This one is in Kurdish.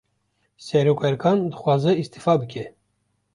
Serokerkan, dixwaze îstîfa bike